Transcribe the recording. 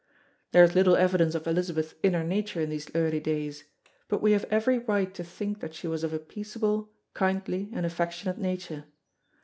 There is little evidence of Elizabeth's inner nature in these early days; but we have every right to think that she was of a peaceable, kindly and affectionate nature.